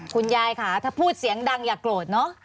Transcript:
คุณยายค่ะถ้าพูดเสียงดังอย่าโกรธเนอะ